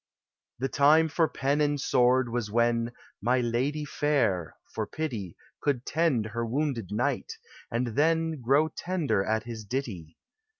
The time for Pen and Sword was when « My ladye fayre " for pity Could tend her wounded knight, and then Grow tender at his ditty